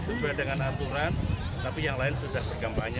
sesuai dengan aturan tapi yang lain sudah berkampanye